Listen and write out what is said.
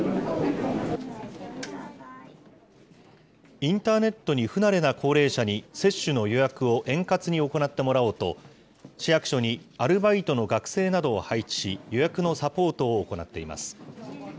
インターネットに不慣れな高齢者に接種の予約を円滑に行ってもらおうと、市役所にアルバイトの学生などを配置し、予約のサポートを行っています。